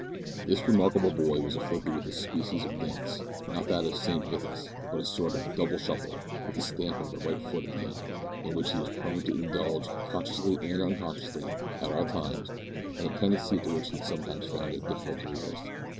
This remarkable boy was afflicted with a species of dance not that of Saint Vitus, but a sort of double shuffle, with a stamp of the right foot at the end in which he was prone to indulge, consciously and unconsciously, at all times, and the tendency to which he sometimes found it difficult to resist.